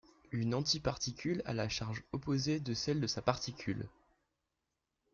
Une antiparticule a la charge opposée de celle de sa particule.